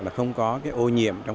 là không có ô nhiệm môi trường